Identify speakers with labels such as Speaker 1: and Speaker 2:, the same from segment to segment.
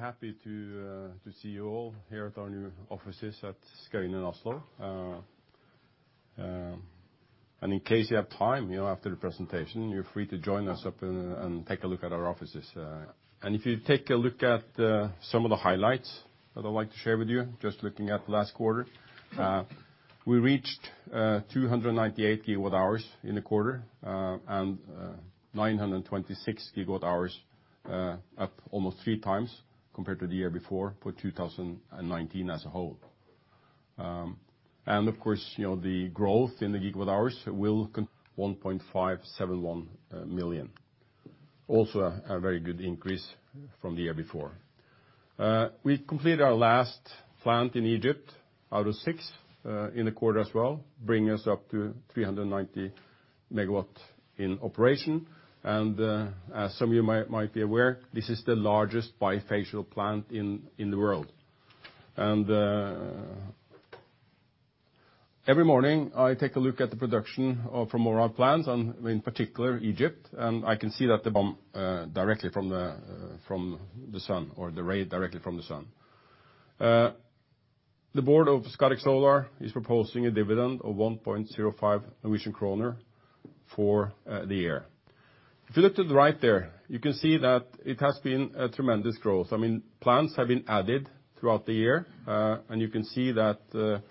Speaker 1: Happy to see you all here at our new offices at Skøyen in Oslo. In case you have time after the presentation, you're free to join us up and take a look at our offices. If you take a look at some of the highlights that I'd like to share with you, just looking at last quarter. We reached 298 GWh in the quarter, and 926 GWh up almost three times compared to the year before, for 2019 as a whole. Of course, the growth in the gigawatt hours was 1.571 million. Also, a very good increase from the year before. We completed our last plant in Egypt out of six in the quarter as well, bringing us up to 390 MW in operation. As some of you might be aware, this is the largest bifacial plant in the world. Every morning, I take a look at the production from all our plants and in particular Egypt. I can see that the bump directly from the sun, or the ray directly from the sun. The board of Scatec Solar is proposing a dividend of 1.05 kroner for the year. If you look to the right there, you can see that it has been a tremendous growth. Plants have been added throughout the year. You can see that the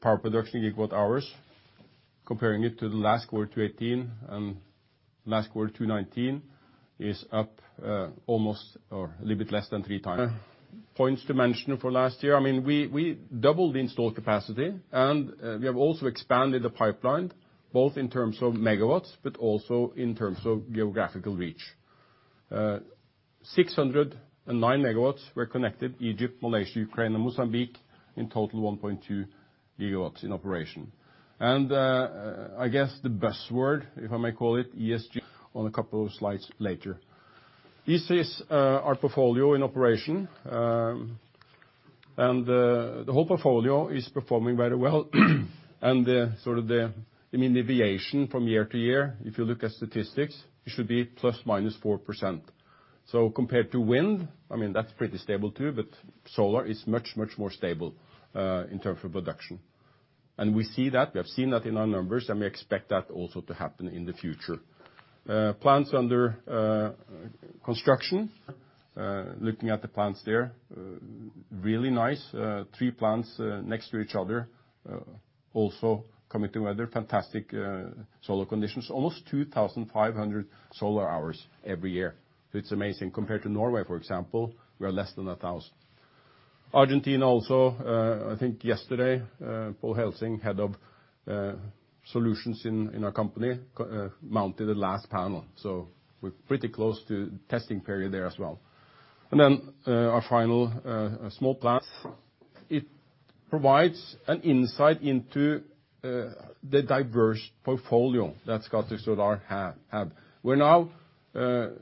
Speaker 1: power production gigawatt hours, comparing it to the last quarter 2018 and last quarter 2019, is up almost or a little bit less than three times. Points to mention for last year, we doubled the installed capacity, and we have also expanded the pipeline, both in terms of megawatts but also in terms of geographical reach. 609 MW were connected Egypt, Malaysia, Ukraine, and Mozambique, in total, 1.2 GW in operation. I guess the best word, if I may call it, ESG, on a couple of slides later. This is our portfolio in operation. The whole portfolio is performing very well. The deviation from year to year, if you look at statistics, it should be ±4%. Compared to wind, that's pretty stable too, but solar is much, much more stable in terms of production. We see that, we have seen that in our numbers, and we expect that also to happen in the future. Plants under construction, looking at the plants there, really nice. Three plants next to each other, also coming to weather, fantastic solar conditions. Almost 2,500 solar hours every year. It's amazing compared to Norway, for example, we are less than 1,000. I think yesterday, Pål Helsing, head of Solutions in our company, mounted the last panel. We're pretty close to testing period there as well. Our final small plant. It provides an insight into the diverse portfolio that Scatec Solar have. We're now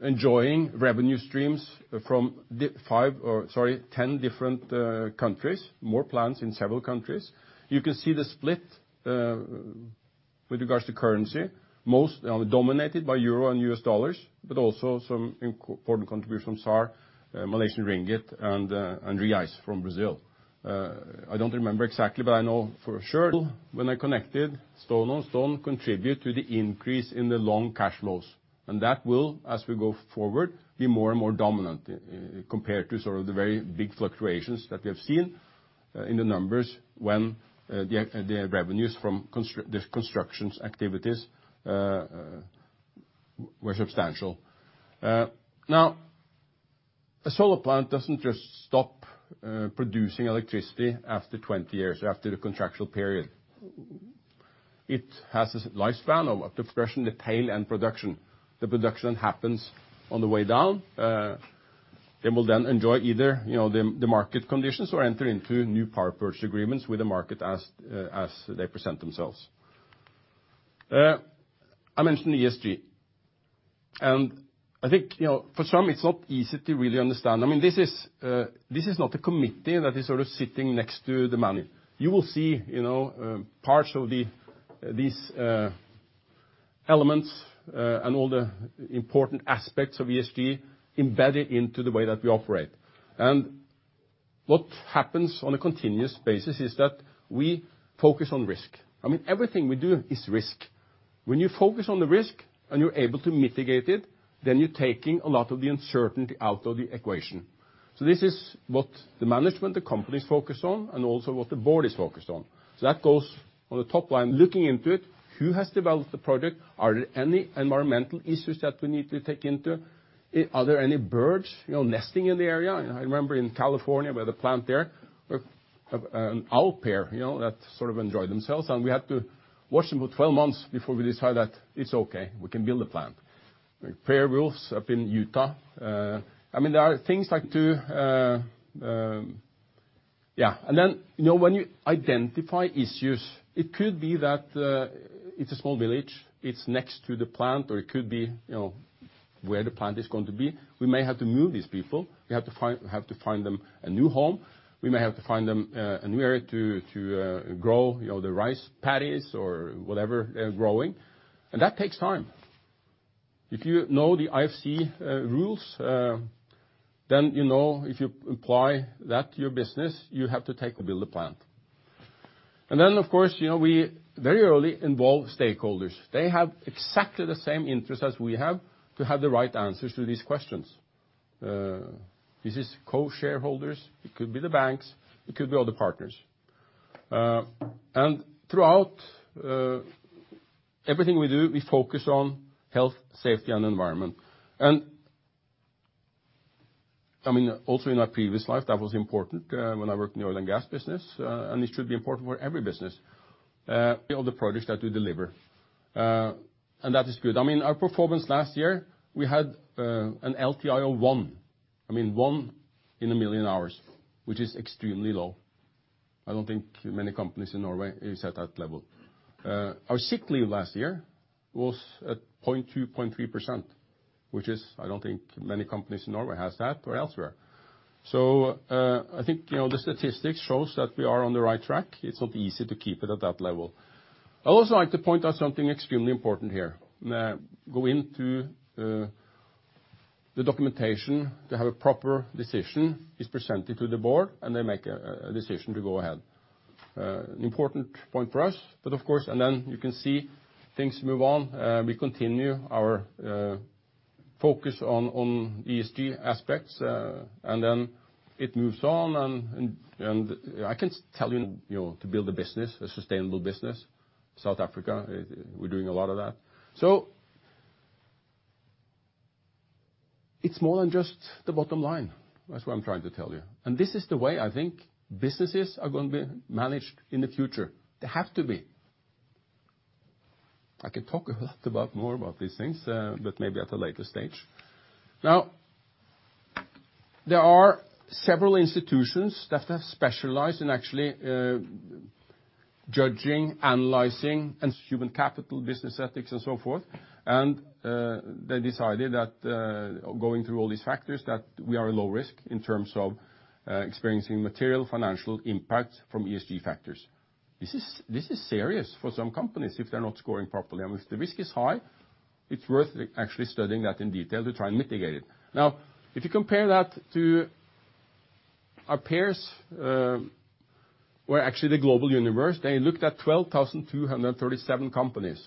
Speaker 1: enjoying revenue streams from 10 different countries, more plants in several countries. You can see the split with regards to currency, most dominated by Euro and U.S dollars, but also some important contributions are Malaysian Ringgit and Brazilian Real from Brazil. I don't remember exactly, but I know for sure when I connected stone on stone contribute to the increase in the long cash flows. That will, as we go forward, be more and more dominant compared to the very big fluctuations that we have seen in the numbers when the revenues from the constructions activities were substantial. A solar plant doesn't just stop producing electricity after 20 years, after the contractual period. It has a lifespan of depreciation, the tail and production. The production happens on the way down. It will then enjoy either the market conditions or enter into new power purchase agreements with the market as they present themselves. I mentioned ESG. I think for some, it's not easy to really understand. This is not a committee that is sort of sitting next to the money. You will see parts of these elements, all the important aspects of ESG embedded into the way that we operate. What happens on a continuous basis is that we focus on risk. Everything we do is risk. When you focus on the risk and you're able to mitigate it, then you're taking a lot of the uncertainty out of the equation. This is what the management, the company's focused on, and also what the board is focused on. That goes on the top line looking into it, who has developed the project? Are there any environmental issues that we need to take into? Are there any birds nesting in the area? I remember in California where the plant there, an owl pair that sort of enjoy themselves, and we had to watch them for 12 months before we decide that it's okay, we can build a plant. Like pair of wolves up in Utah. There are things like to. When you identify issues, it could be that it's a small village, it's next to the plant, or it could be where the plant is going to be. We may have to move these people. We have to find them a new home. We may have to find them a new area to grow the rice paddies or whatever they're growing. That takes time. If you know the IFC rules, then you know if you apply that to your business, you have to take or build a plant. Then, of course, we very early involve stakeholders. They have exactly the same interest as we have to have the right answers to these questions. This is co-shareholders, it could be the banks, it could be other partners. Throughout everything we do, we focus on health, safety, and environment. Also in our previous life, that was important when I worked in the oil and gas business, and it should be important for every business. All the products that we deliver, that is good. Our performance last year, we had an LTIR 1. One in a million hours, which is extremely low. I don't think many companies in Norway is at that level. Our sick leave last year was at 0.2%, 0.3%, which is, I don't think many companies in Norway has that or elsewhere. I think the statistics shows that we are on the right track. It's not easy to keep it at that level. I also like to point out something extremely important here. Go into the documentation to have a proper decision is presented to the Board, and they make a decision to go ahead. An important point for us. Of course, you can see things move on. We continue our focus on ESG aspects, and then it moves on. I can tell you to build a business, a sustainable business, South Africa, we're doing a lot of that. It's more than just the bottom line. That's what I'm trying to tell you. This is the way I think businesses are going to be managed in the future. They have to be. I can talk a lot more about these things, but maybe at a later stage. Now, there are several institutions that have specialized in actually judging, analyzing, and human capital, business ethics, and so forth. They decided that going through all these factors, that we are low risk in terms of experiencing material financial impact from ESG factors. This is serious for some companies if they're not scoring properly. If the risk is high, it's worth actually studying that in detail to try and mitigate it. Now, if you compare that to our peers, where actually the global universe, they looked at 12,237 companies.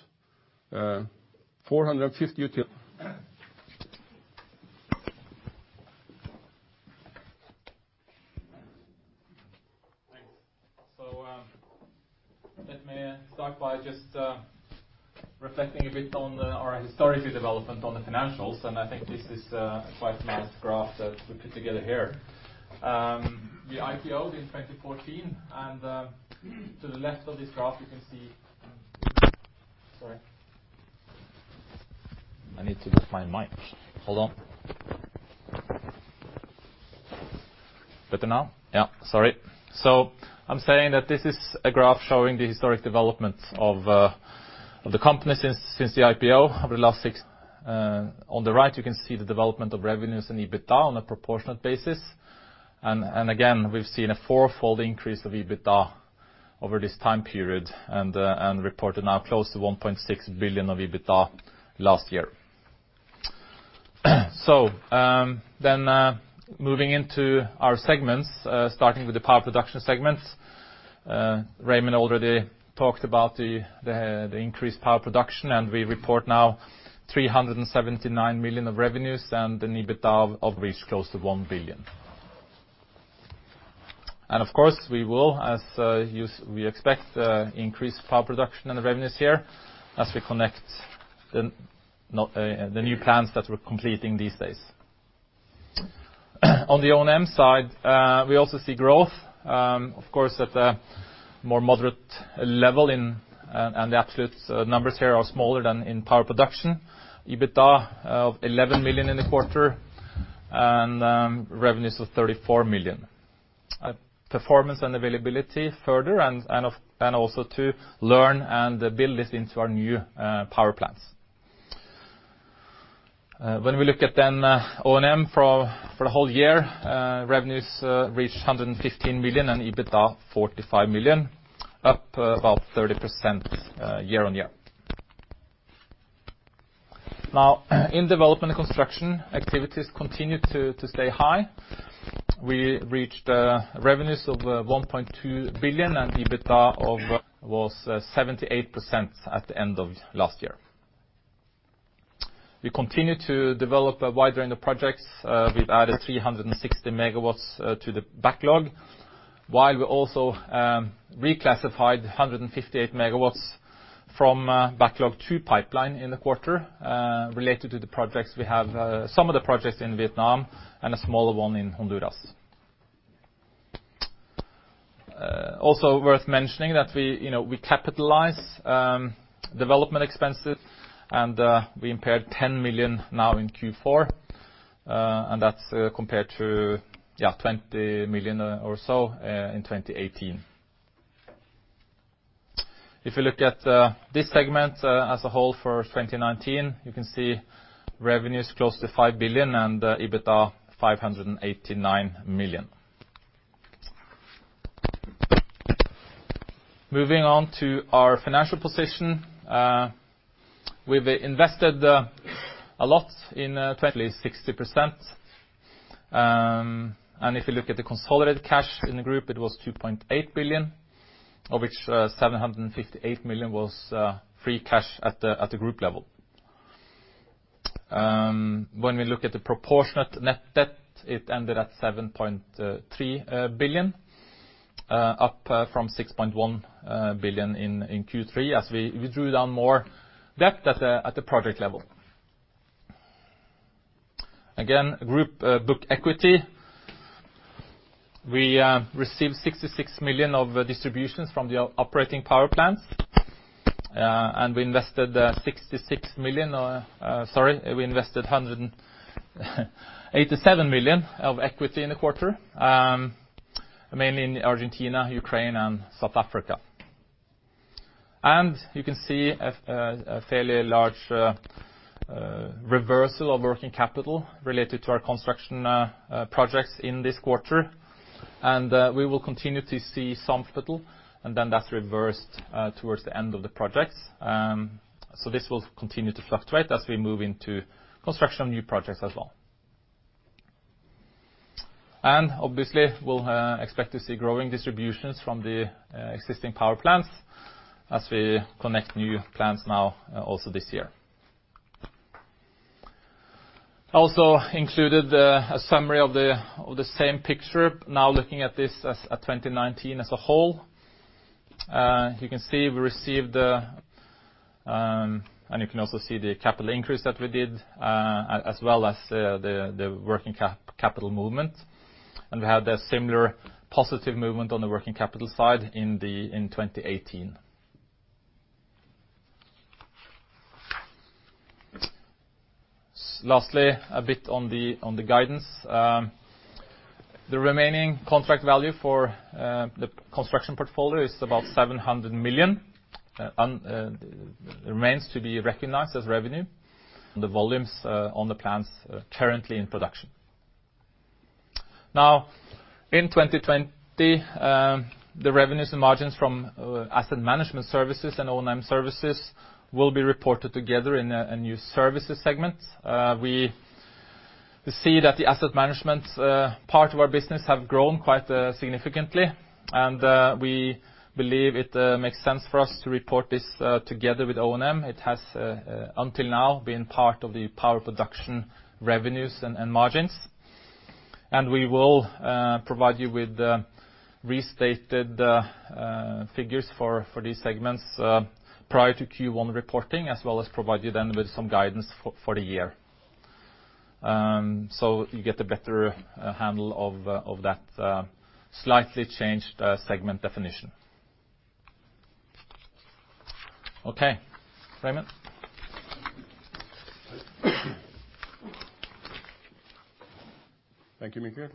Speaker 1: 450 util-
Speaker 2: Thanks. Let me start by just reflecting a bit on our historical development on the financials, and I think this is a quite nice graph that we put together here. We IPO'd in 2014, and to the left of this graph, you can see. Sorry. I need to get my mic. Hold on. Better now? Yeah, sorry. I'm saying that this is a graph showing the historic development of the company since the IPO over the last six. On the right, you can see the development of revenues and EBITDA on a proportionate basis. Again, we've seen a four-fold increase of EBITDA over this time period and reported now close to 1.6 billion of EBITDA last year. Moving into our segments, starting with the power production segment. Raymond already talked about the increased power production, and we report now 379 million of revenues and an EBITDA of which close to 1 billion. Of course, we will, as we expect, increased power production and the revenues here as we connect the new plants that we're completing these days. On the O&M side, we also see growth, of course, at a more moderate level, and the absolute numbers here are smaller than in power production. EBITDA of 11 million in the quarter and revenues of 34 million. Performance and availability further and also to learn and build this into our new power plants. When we look at then O&M for the whole year, revenues reached 115 million and EBITDA 45 million, up about 30% year-on-year. In Development and Construction, activities continued to stay high. We reached revenues of 1.2 billion and EBITDA was 78% at the end of last year. We continue to develop a wide range of projects. We've added 360 MW to the backlog, while we also reclassified 158 MW from backlog to pipeline in the quarter related to the projects we have, some of the projects in Vietnam and a smaller one in Honduras. Also worth mentioning that we capitalize development expenses. We impaired 10 million now in Q4, and that's compared to 20 million or so in 2018. If you look at this segment as a whole for 2019, you can see revenues close to 5 billion and EBITDA 589 million. Moving on to our financial position. We've invested a lot in at least 60%. If you look at the consolidated cash in the group, it was 2.8 billion, of which 758 million was free cash at the group level. When we look at the proportionate net debt, it ended at 7.3 billion, up from 6.1 billion in Q3 as we drew down more debt at the project level. Again, group book equity. We received 66 million of distributions from the operating power plants, and we invested 187 million of equity in the quarter, mainly in Argentina, Ukraine, and South Africa. You can see a fairly large reversal of working capital related to our construction projects in this quarter. We will continue to see some capital, and then that's reversed towards the end of the projects. This will continue to fluctuate as we move into construction of new projects as well. Obviously, we'll expect to see growing distributions from the existing power plants as we connect new plants now also this year. Included a summary of the same picture. Looking at this as 2019 as a whole. You can also see the capital increase that we did, as well as the working capital movement. We had a similar positive movement on the working capital side in 2018. Lastly, a bit on the guidance. The remaining contract value for the construction portfolio is about 700 million, remains to be recognized as revenue from the volumes on the plants currently in production. In 2020, the revenues and margins from asset management services and O&M services will be reported together in a new Services segment. We see that the asset management part of our business have grown quite significantly, and we believe it makes sense for us to report this together with O&M. It has, until now, been part of the power production revenues and margins. We will provide you with restated figures for these segments prior to Q1 reporting, as well as provide you then with some guidance for the year. You get a better handle of that slightly changed segment definition. Okay. Raymond?
Speaker 1: Thank you, Mikkel.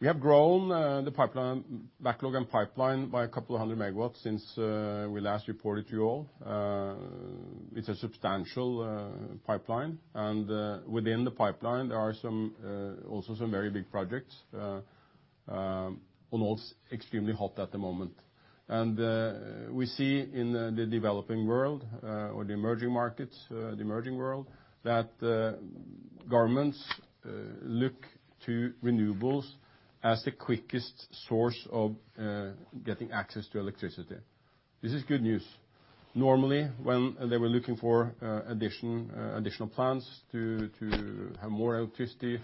Speaker 1: We have grown the backlog and pipeline by a couple of hundred megawatts since we last reported to you all. It's a substantial pipeline. Within the pipeline, there are also some very big projects. Almost extremely hot at the moment. We see in the developing world, or the emerging markets, the emerging world, that governments look to renewables as the quickest source of getting access to electricity. This is good news. Normally, when they were looking for additional plans to have more electricity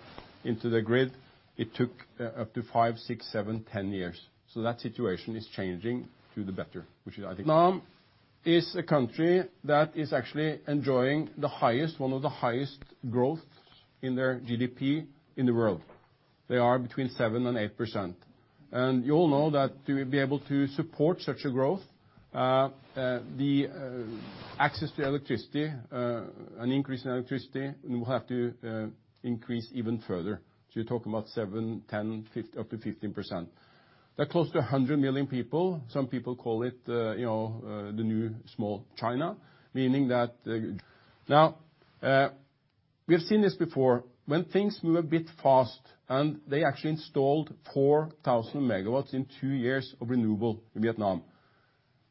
Speaker 1: into the grid, it took up to five, six, seven, 10 years. That situation is changing to the better, which is, I think. Vietnam is a country that is actually enjoying one of the highest growth in their GDP in the world. They are between 7% and 8%. You all know that to be able to support such a growth, the access to electricity, an increase in electricity, will have to increase even further. You're talking about 7%, 10%, up to 15%. They're close to 100 million people. Some people call it the new small China, meaning that. Now, we have seen this before. When things move a bit fast, and they actually installed 4,000 MW in two years of renewable in Vietnam.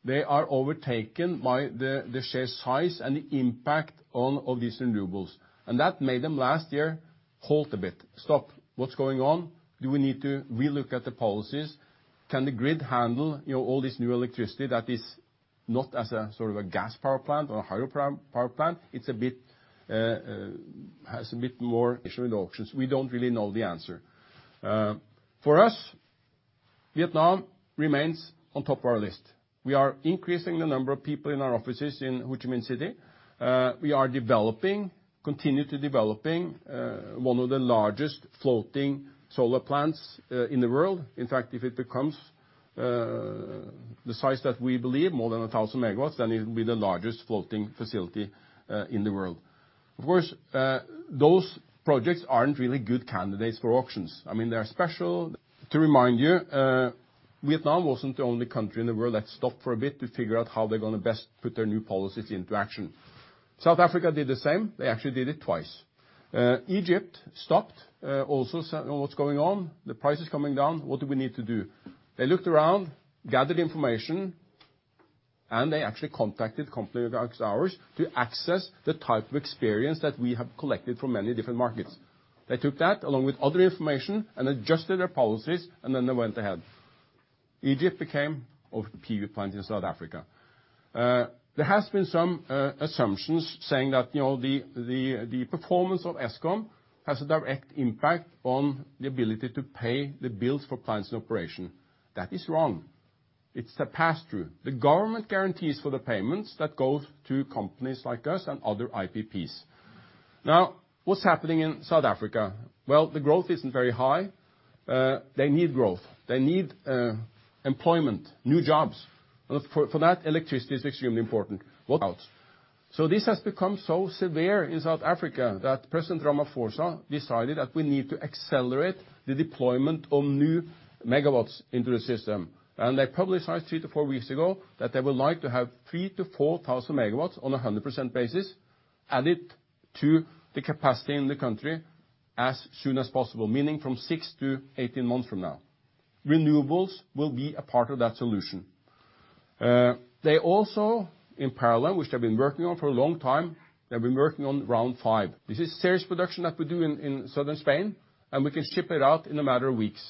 Speaker 1: They are overtaken by the sheer size and the impact of these renewables. That made them last year halt a bit. Stop. What's going on? Do we need to relook at the policies? Can the grid handle all this new electricity that is not as a sort of a gas power plant or a hydro power plant? It has a bit more issue with auctions. We don't really know the answer. For us, Vietnam remains on top of our list. We are increasing the number of people in our offices in Ho Chi Minh City. We are developing, continue to developing one of the largest floating solar plants in the world. In fact, if it becomes the size that we believe, more than 1,000 MW, then it will be the largest floating facility in the world. Of course, those projects aren't really good candidates for auctions. I mean, they are special. To remind you Vietnam wasn't the only country in the world that stopped for a bit to figure out how they're going to best put their new policies into action. South Africa did the same. They actually did it twice. Egypt stopped also, said, "What's going on? The price is coming down. What do we need to do?" They looked around, gathered information, and they actually contacted company like ours to access the type of experience that we have collected from many different markets. They took that along with other information and adjusted their policies. Then they went ahead. Egypt became of the PV plants in South Africa. There has been some assumptions saying that the performance of Eskom has a direct impact on the ability to pay the bills for plants in operation. That is wrong. It's a pass-through. The government guarantees for the payments that goes to companies like us and other IPPs. Now, what's happening in South Africa? Well, the growth isn't very high. They need growth. They need employment, new jobs. For that, electricity is extremely important. This has become so severe in South Africa that President Ramaphosa decided that we need to accelerate the deployment of new megawatts into the system. They publicized three to four weeks ago that they would like to have 3,000-4,000 MW on 100% basis added to the capacity in the country as soon as possible, meaning from 6-18 months from now. Renewables will be a part of that solution. They also, in parallel, which they've been working on for a long time, they've been working on round five. This is serious production that we do in Southern Spain, and we can ship it out in a matter of weeks.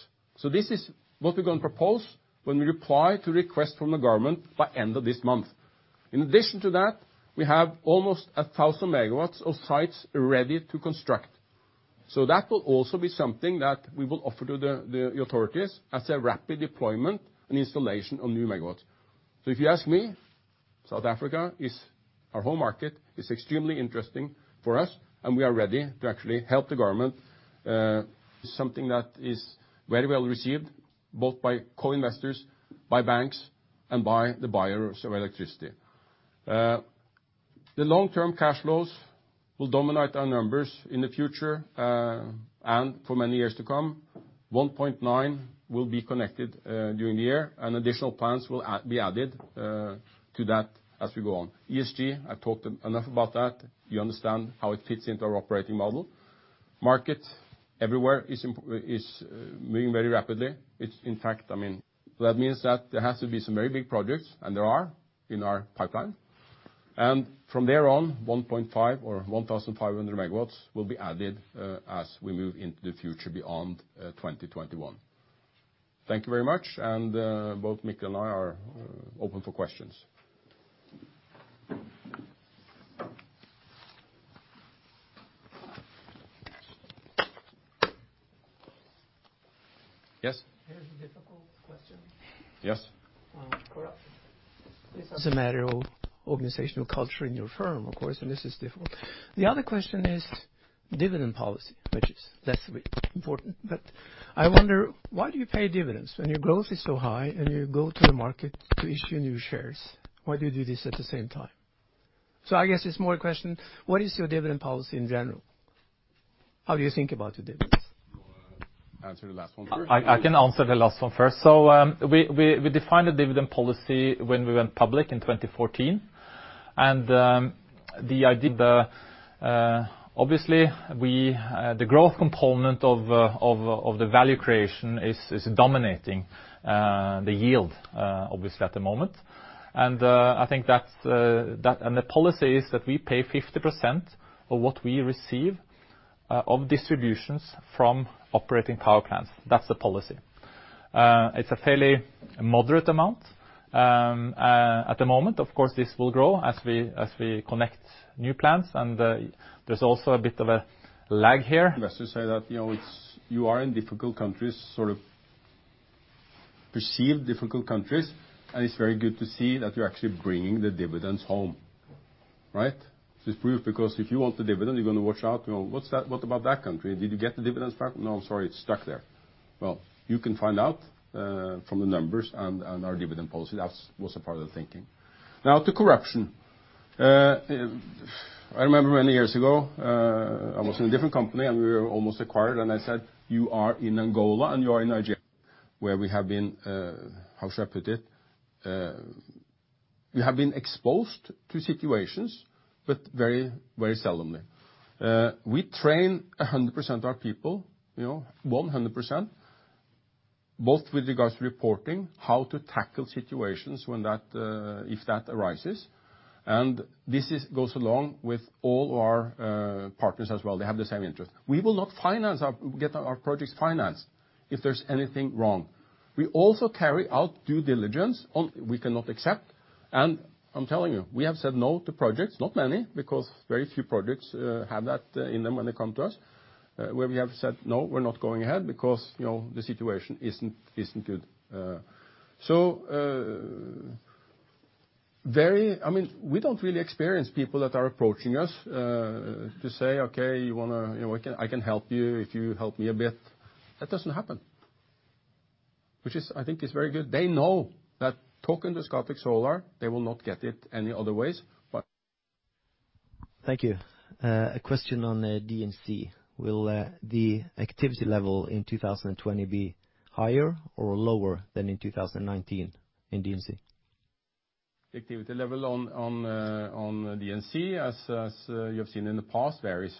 Speaker 1: This is what we're going to propose when we reply to request from the government by end of this month. In addition to that, we have almost 1,000 MW of sites ready to construct. That will also be something that we will offer to the authorities as a rapid deployment and installation of new megawatts. If you ask me, South Africa is our home market, it's extremely interesting for us, and we are ready to actually help the government. Something that is very well-received both by co-investors, by banks, and the buyers of electricity. The long-term cash flows will dominate our numbers in the future, and for many years to come. 1.9 will be connected during the year, and additional plants will be added to that as we go on. ESG, I talked enough about that. You understand how it fits into our operating model. Market everywhere is moving very rapidly. It's in fact, that means that there has to be some very big projects, and there are in our pipeline. From there on, 1.5 or 1,500 MW will be added as we move into the future beyond 2021. Thank you very much, and both Mikkel and I are open for questions.
Speaker 2: Yes?
Speaker 3: Here's a difficult question.
Speaker 1: Yes.
Speaker 3: It's a matter of organizational culture in your firm, of course, and this is difficult. The other question is dividend policy, which is less important. I wonder, why do you pay dividends when your growth is so high and you go to the market to issue new shares? Why do you do this at the same time? I guess it's more a question, what is your dividend policy in general? How do you think about your dividends?
Speaker 1: You want to answer the last one first?
Speaker 2: I can answer the last one first. We defined the dividend policy when we went public in 2014. The idea there, obviously, the growth component of the value creation is dominating the yield, obviously, at the moment. The policy is that we pay 50% of what we receive of distributions from operating power plants. That's the policy. It's a fairly moderate amount. At the moment, of course, this will grow as we connect new plants, and there's also a bit of a lag here.
Speaker 1: Investors say that you are in difficult countries, sort of perceived difficult countries, and it's very good to see that you're actually bringing the dividends home. Right? This is proof because if you want the dividend, you're going to watch out. What about that country? Did you get the dividends back? No, sorry, it's stuck there. Well, you can find out from the numbers and our dividend policy. That was a part of the thinking. Now to corruption. I remember many years ago, I was in a different company, and we were almost acquired, and I said, "You are in Angola and you are in Nigeria," where we have been How should I put it? We have been exposed to situations, but very seldomly. We train 100% of our people, 100%, both with regards to reporting, how to tackle situations if that arises. This goes along with all our partners as well. They have the same interest. We will not get our projects financed if there's anything wrong. We also carry out due diligence on we cannot accept. I'm telling you, we have said no to projects, not many, because very few projects have that in them when they come to us, where we have said, "No, we're not going ahead because the situation isn't good." We don't really experience people that are approaching us to say, "Okay, I can help you if you help me a bit." That doesn't happen, which I think is very good. They know that talking to Scatec Solar, they will not get it any other ways but.
Speaker 4: Thank you. A question on D&C. Will the activity level in 2020 be higher or lower than in 2019 in D&C?
Speaker 1: Activity level on D&C, as you have seen in the past, varies.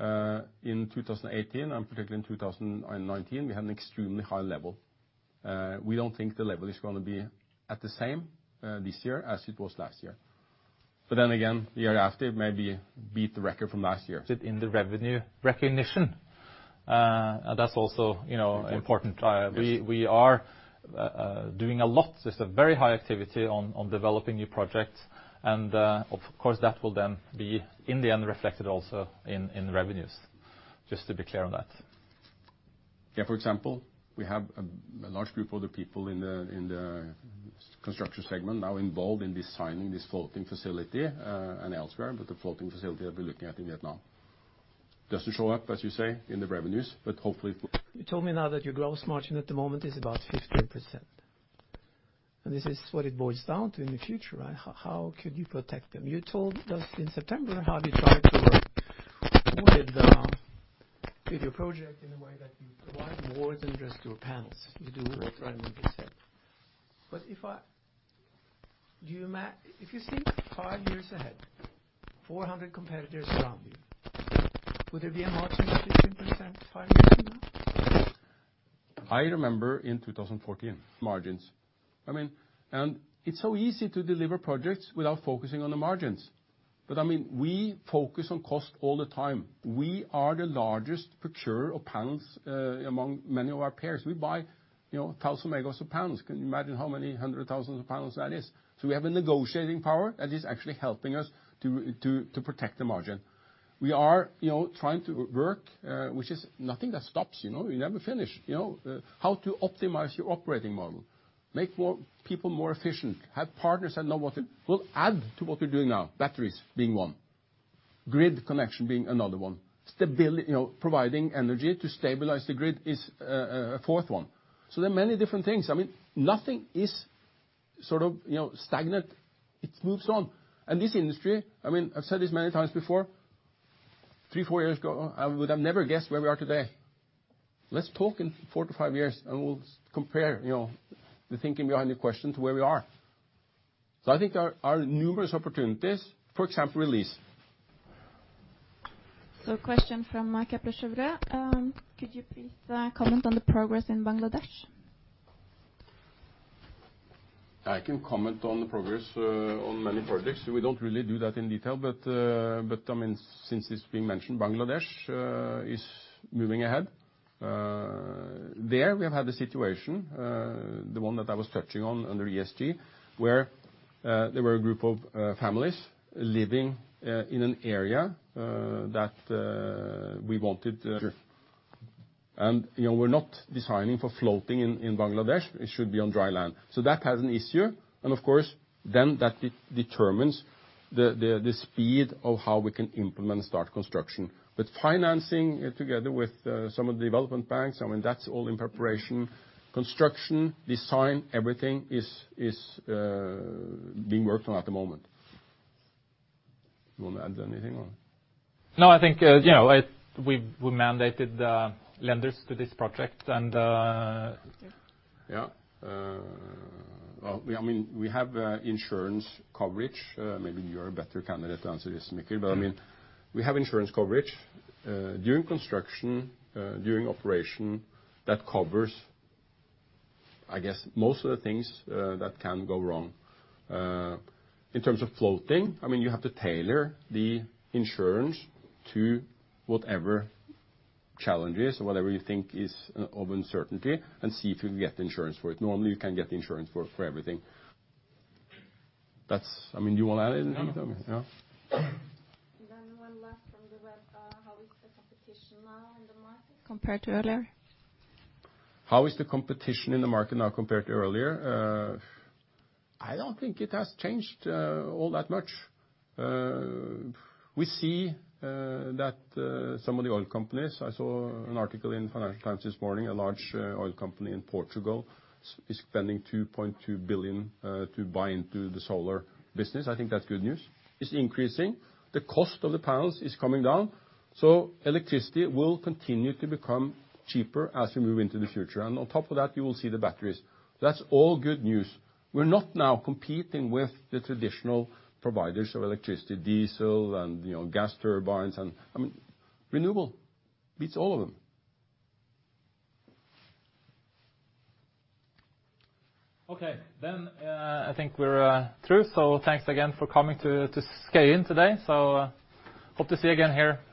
Speaker 1: In 2018, and particularly in 2019, we had an extremely high level. We don't think the level is going to be at the same this year as it was last year. Again, the year after, it may be beat the record from last year.
Speaker 2: In the revenue recognition. That's also important. We are doing a lot. There's a very high activity on developing new projects and, of course, that will then be, in the end, reflected also in the revenues. Just to be clear on that.
Speaker 1: Yeah, for example, we have a large group of the people in the construction segment now involved in designing this floating facility and elsewhere. The floating facility I'll be looking at in Vietnam doesn't show up, as you say, in the revenues, but hopefully it will.
Speaker 4: You told me now that your gross margin at the moment is about 15%. This is what it boils down to in the future. How could you protect them? You told us in September how you try to work with your project in a way that you provide more than just your panels. You do what Raymond just said. If you think five years ahead, 400 competitors around you, would there be a margin of 15% five years from now?
Speaker 1: I remember in 2014, margins. It's so easy to deliver projects without focusing on the margins. We focus on cost all the time. We are the largest procurer of panels among many of our peers. We buy 1,000 MW of panels. Can you imagine how many hundred thousands of panels that is? We have a negotiating power that is actually helping us to protect the margin. We are trying to work, which is nothing that stops. You never finish. How to optimize your operating model, make people more efficient, have partners that know what it will add to what we're doing now, batteries being one. Grid connection being another one. Providing energy to stabilize the grid is a fourth one. There are many different things. Nothing is stagnant. It moves on. This industry, I've said this many times before, three, four years ago, I would have never guessed where we are today. Let's talk in four to five years and we'll compare the thinking behind the question to where we are. I think there are numerous opportunities. For example, release.
Speaker 5: Question from Michael Prechevre. Could you please comment on the progress in Bangladesh?
Speaker 1: I can comment on the progress on many projects. We don't really do that in detail. Since it's been mentioned, Bangladesh is moving ahead. There we have had the situation, the one that I was touching on under ESG, where there were a group of families living in an area that we wanted. We're not designing for floating in Bangladesh, it should be on dry land. That has an issue, and of course, then that determines the speed of how we can implement and start construction. Financing together with some of the development banks, that's all in preparation. Construction, design, everything is being worked on at the moment. You want to add anything on?
Speaker 2: No, I think, we mandated the lenders to this project and.
Speaker 1: Yeah. We have insurance coverage. Maybe you're a better candidate to answer this, Mikkel. We have insurance coverage during construction, during operation that covers, I guess, most of the things that can go wrong. In terms of floating, you have to tailor the insurance to whatever challenges or whatever you think is of uncertainty and see if you can get insurance for it. Normally, you can get insurance for everything. You want to add anything to that? Yeah.
Speaker 5: One last from the web. How is the competition now in the market compared to earlier?
Speaker 1: How is the competition in the market now compared to earlier? I don't think it has changed all that much. We see that some of the oil companies, I saw an article in Financial Times this morning, a large oil company in Portugal is spending 2.2 billion to buy into the solar business. I think that's good news. Is increasing, the cost of the panels is coming down. Electricity will continue to become cheaper as we move into the future. On top of that, you will see the batteries. That's all good news. We're not now competing with the traditional providers of electricity, diesel and gas turbines. Renewable beats all of them.
Speaker 2: Okay. I think we're through. Thanks again for coming to Skøyen today. Hope to see you again here next.